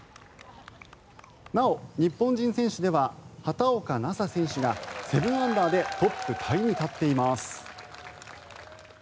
なお、日本人選手では畑岡奈紗選手が７アンダーでトップタイに立っています。